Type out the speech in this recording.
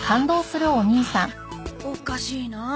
おかしいなあ。